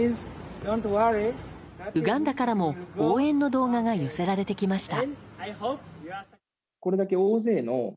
ウガンダからも応援の動画が寄せられてきました。